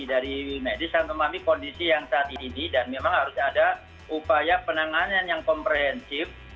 jadi saya pahami kondisi yang saat ini dan memang harus ada upaya penanganan yang komprehensif